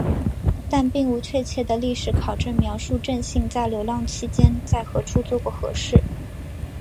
但并无确切的历史考证描述正信在流浪期间在何处做过何事。